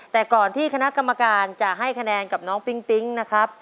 แต่ก่อนที่คณะกรรมการจะให้คะแนนกับน้องปิ๊งปิ๊งนะครับ